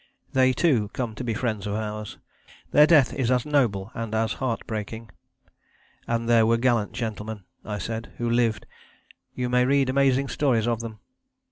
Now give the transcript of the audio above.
They, too, come to be friends of ours, their death is as noble and as heartbreaking. And there were gallant gentlemen, I said, who lived you may read amazing stories of them.